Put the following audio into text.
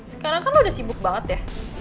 sekarang kan udah sibuk banget ya